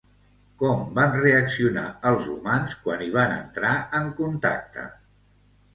Com van reaccionar els humans quan hi van entrar en contacte?